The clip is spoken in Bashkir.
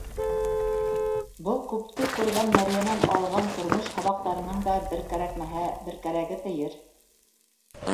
Был күпте күргән мәрйәнән алған тормош һабаҡтарының да бер кәрәкмәһә бер кәрәге тейер.